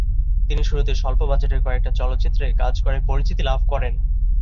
তিনি শুরুতে স্বল্প বাজেটের কয়েকটি চলচ্চিত্রে কাজ করে পরিচিতি লাভ করেন।